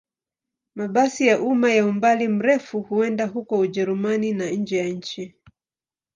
Mabasi ya umma ya umbali mrefu huenda huko Ujerumani na nje ya nchi.